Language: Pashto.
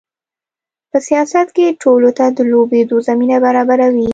په سیاست کې ټولو ته د لوبېدو زمینه برابروي.